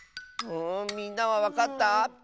みんなはわかった？